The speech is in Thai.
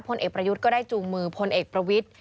พลเอกประยุทธ์ก็ได้จูงมือพลเอกประวิทธิ